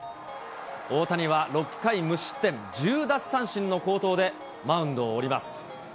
大谷は６回無失点１０奪三振の好投でマウンドを降ります。